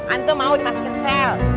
anto mau dimasukin sel